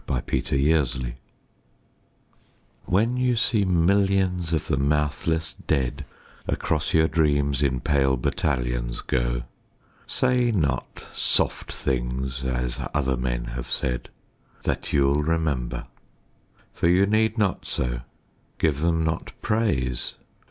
XCI The Army of Death WHEN you see millions of the mouthless dead Across your dreams in pale battalions go, Say not soft things as other men have said, That you'll remember. For you need not so. Give them not praise.